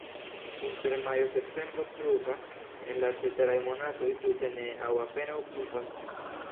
Inter majo-septembro pluvas, en la ceteraj monatoj tute ne aŭ apenaŭ pluvas.